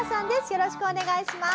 よろしくお願いします。